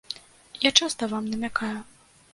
Я часта вам намякаю.